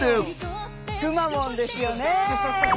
くまモンですよね。